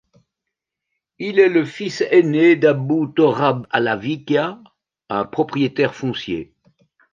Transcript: Il est le fils aîné d'Abu Torab Alavikia, un propriétaire foncier.